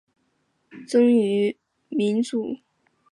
曾任福建漳州镇总兵。